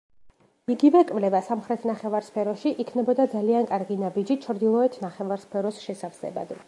იგივე კვლევა სამხრეთ ნახევარსფეროში იქნებოდა ძალიან კარგი ნაბიჯი ჩრდილოეთ ნახევარსფეროს შესავსებად.